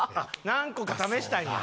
何個か試したんや。